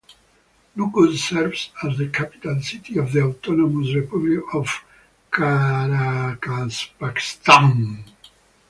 Nukus serves as the capital city of the autonomous Republic of Karakalpakstan.